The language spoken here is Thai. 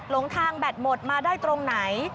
ลงทางแบตหมดมาได้ตรงไหน